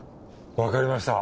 わかりました。